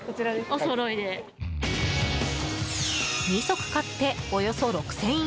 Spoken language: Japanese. ２足買っておよそ６０００円。